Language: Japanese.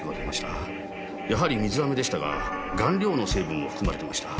やはり水飴でしたが顔料の成分も含まれてました。